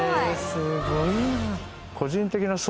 すごいな！